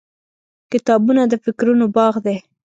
• کتابونه د فکرونو باغ دی.